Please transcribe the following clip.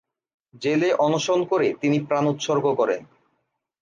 জেলে অনশন করে তিনি প্রাণ উৎসর্গ করেন।